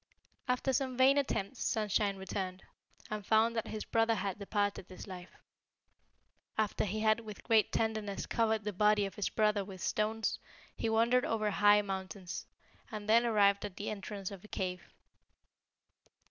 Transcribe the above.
"After some vain attempts Sunshine returned, and found that his brother had departed this life. After he had with great tenderness covered the body of his brother with stones, he wandered over high mountains, and then arrived at the entrance of a cave.